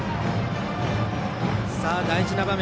大事な場面。